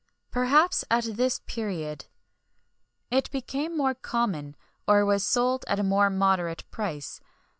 [XXI 34] Perhaps at this period it became more common, or was sold at a more moderate price.